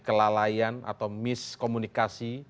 kelalaian atau miskomunikasi